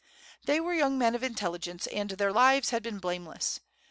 They were young men of intelligence, and their lives had been blameless.